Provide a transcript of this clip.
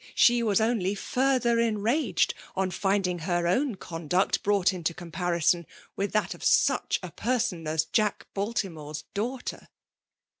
She was only ftirther enraged on finding her own conduct brought into comparison with that of such a person as Jack Baltimore's daughter.